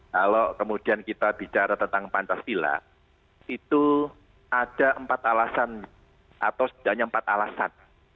kalau kemudian kita bicara tentang pancasila itu ada empat alasan atau setidaknya empat alasan